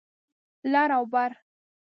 لر او بر